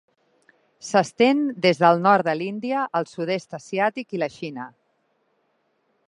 S'estén des del nord de l'Índia al sud-est asiàtic i la Xina.